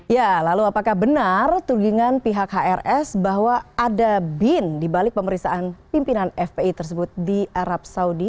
ya lalu apakah benar tudingan pihak hrs bahwa ada bin dibalik pemeriksaan pimpinan fpi tersebut di arab saudi